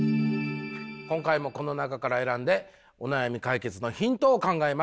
今回もこの中から選んでお悩み解決のヒントを考えます。